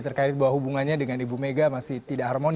terkait bahwa hubungannya dengan ibu mega masih tidak harmonis